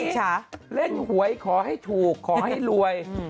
เล่นหวยขอให้ถูกขอให้รวย